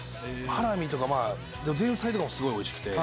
ハラミとか前菜とかもすごいおいしくて。